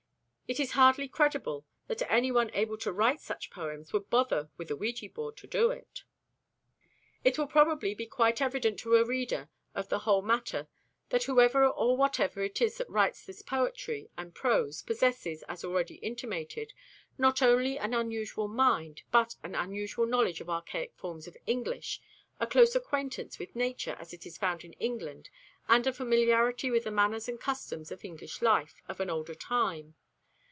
It is hardly credible that anyone able to write such poems would bother with a ouija board to do it. It will probably be quite evident to a reader of the whole matter that whoever or whatever it is that writes this poetry and prose, possesses, as already intimated, not only an unusual mind, but an unusual knowledge of archaic forms of English, a close acquaintance with nature as it is found in England, and a familiarity with the manners and customs of English life of an older time.